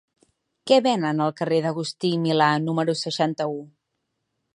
Què venen al carrer d'Agustí i Milà número seixanta-u?